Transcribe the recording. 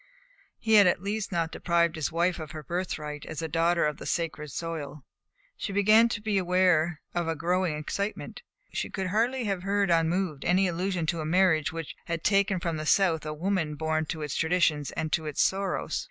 He had at least not deprived his wife of her birthright as a daughter of the sacred soil. She began to be aware of a growing excitement. She could hardly have heard unmoved any allusion to a marriage which had taken from the South a woman born to its traditions and to its sorrows.